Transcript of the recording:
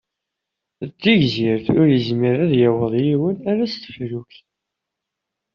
D tigzirt ur yezmir ad yaweḍ yiwen ala s teflukt.